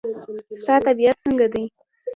ستا طبیعت څنګه دی؟